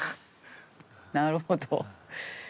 なるほど。